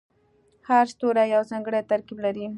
هر ستوری یو ځانګړی ترکیب لري.